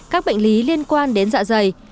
các bệnh lý liên quan đến dạ dày